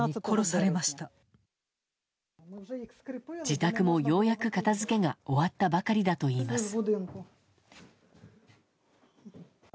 自宅もようやく片づけが終わったばかりだといいます。